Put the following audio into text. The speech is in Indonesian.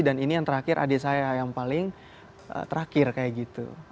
dan ini yang terakhir adik saya yang paling terakhir kayak gitu